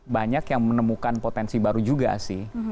banyak yang menemukan potensi baru juga sih